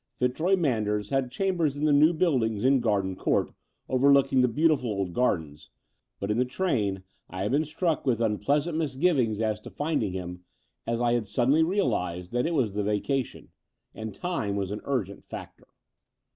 Fitzroy Manders had chambers in the new buildings in Garden Court overlooking the beautiful old gardens; but in the train I had been struck with unpleasant mis Between London and Cljnnping 109 givings as to finding him, as I had suddenly real ized that it was the vacation. And time was an urgent factor.